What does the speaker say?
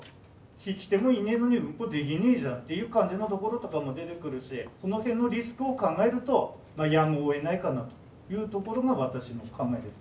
引き手もいねえのに運行できねえじゃんという感じのところとかも出てくるしその辺のリスクを考えるとやむをえないかなというところが私の考えです。